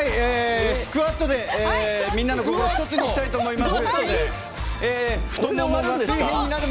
スクワットでみんなの心を一つにしたいと思います。